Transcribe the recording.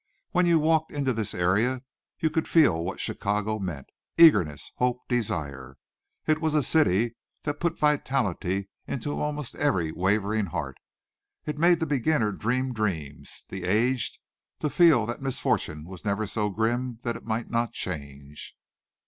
When you walked into this area you could feel what Chicago meant eagerness, hope, desire. It was a city that put vitality into almost every wavering heart: it made the beginner dream dreams; the aged to feel that misfortune was never so grim that it might not change.